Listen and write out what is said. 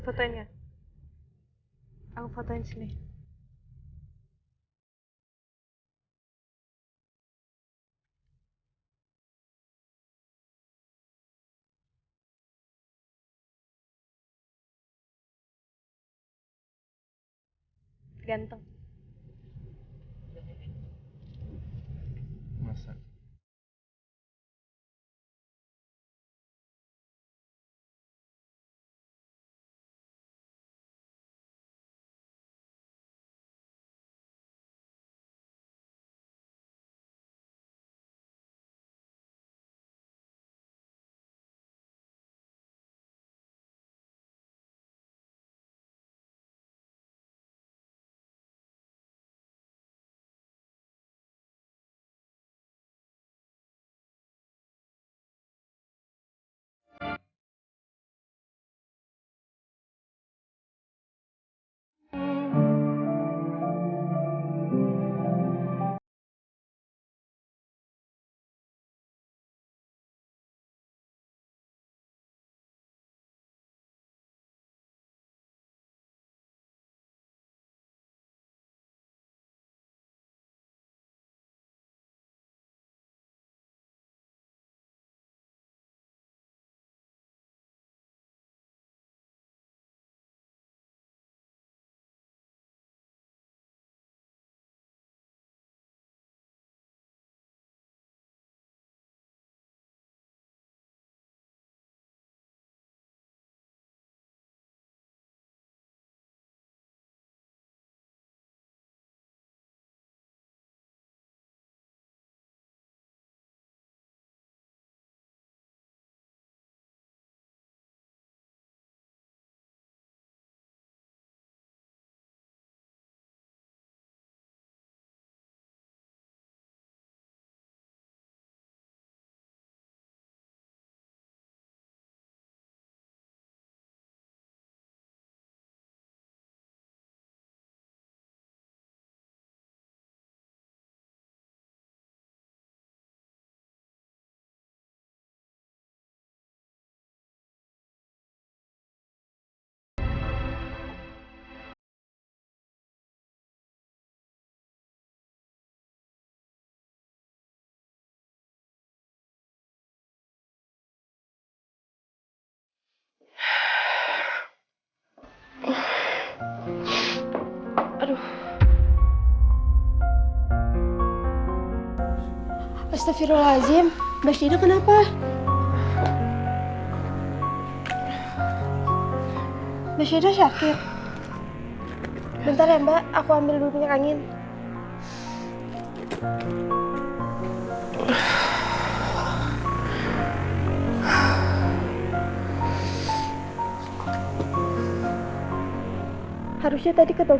baik dulu kalian memang pengetahuan sister sederhana interesting cafeteria itu